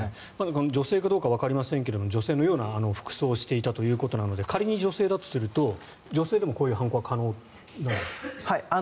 女性かどうかわかりませんが女性のような服装をしていたということなので仮に女性だとすると女性でもこういう犯行は可能なんでしょうか？